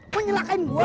kok nyerahkan gua lu